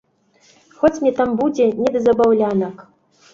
Хоць мне там будзе не да забаўлянак.